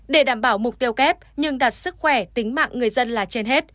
để đảm bảo mục tiêu kép nhưng đặt sức khỏe tính mạng người dân là trên hết